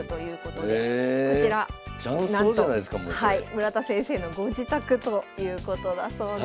村田先生のご自宅ということだそうです。